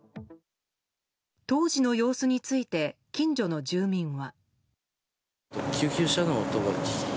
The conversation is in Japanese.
当時の様子について近所の住民は。